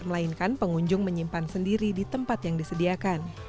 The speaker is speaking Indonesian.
melainkan pengunjung menyimpan sendiri di tempat yang disediakan